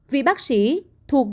vì bác sĩ thuộc